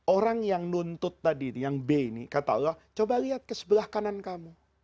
orang yang nuntut tadi yang b ini kata allah coba lihat ke sebelah kanan kamu